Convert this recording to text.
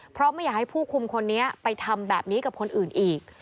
เพราะไม่อยากให้ผู้คุมคนนี้ไปทำแบบนี้กับคนอื่นอีก